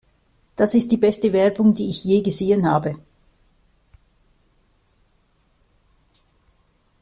Das ist die beste Werbung, die ich je gesehen habe!